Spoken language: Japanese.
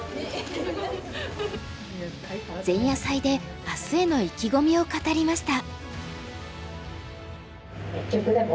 前夜祭で明日への意気込みを語りました。